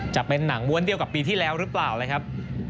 จะเป็นหนังม้วนเดียวกับปีที่แล้วหรือเปล่าเลยครับ